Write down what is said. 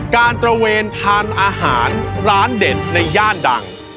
ตระเวนทานอาหารร้านเด็ดในย่านดัง